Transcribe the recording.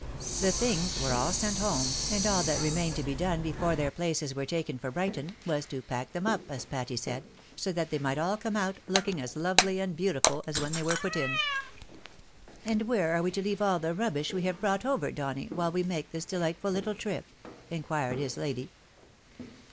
" The things,'" were all sent home, and all that remained to be done before their places were taken for Brighton, was " to pack them up," as Patty said, " so that they might all come out, looking as lovely and beautiful as when they were put in." " And where are we to leave all the rubbish we have brought over, Donny, while we make this delightful little trip ?" inquired his lady.